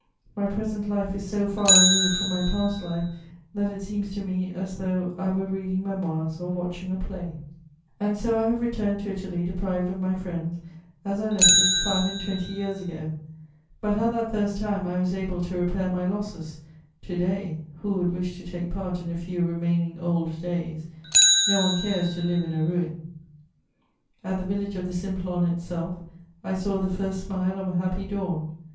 My present life is so far removed from my past life that it seems to me as though I were reading Memoirs or watching a play.' "And so I have returned to Italy deprived of my friends, as I left it five and twenty years ago. But, at that first time, I was able to repair my losses; to day, who would wish to take part in a few remaining old days? No one cares to live in a ruin. "At the village of the Simplon itself, I saw the first smile of a happy dawn.